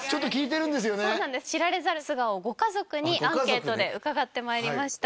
知られざる素顔をご家族にアンケートで伺ってまいりました